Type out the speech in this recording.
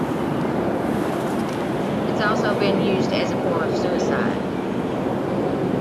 It has also been used as a form of suicide.